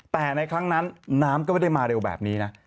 แต่ในครั้งนั้นน้ำก็ไม่ได้มาเร็วแบบนี้นะ